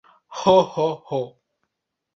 Ho, ho, ho!